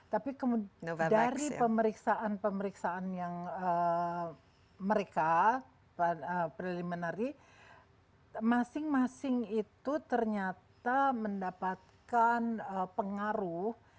tapi dari pemeriksaan pemeriksaan yang mereka preliminary masing masing itu ternyata mendapatkan pengaruh